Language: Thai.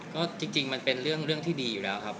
ก็จริงมันเป็นเรื่องที่ดีอยู่แล้วครับ